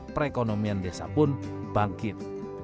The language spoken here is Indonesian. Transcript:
perekonomian desa pun bangkit